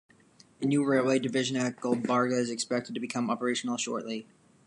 A new Railway Division at Gulbarga is expected to become operational shortly.